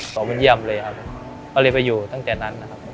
เขามาเยี่ยมเลยครับก็เลยไปอยู่ตั้งแต่นั้นนะครับ